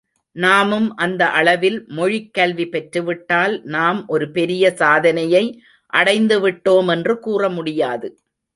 நாமும் அந்த அளவில் மொழிக் கல்வி பெற்றுவிட்டால் நாம் ஒரு பெரிய சாதனையை அடைந்துவிட்டோம் என்று கூறமுடியாது.